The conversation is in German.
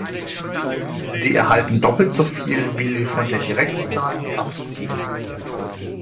Sie erhalten doppelt so viel, wie Sie von der Direktzahlung abziehen.